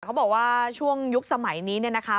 เขาบอกว่าช่วงยุคสมัยนี้เนี่ยนะคะ